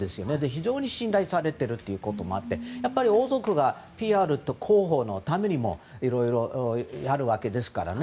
非常に信頼されていることもあってやっぱり王族がＰＲと広報のためにもいろいろやるわけですからね。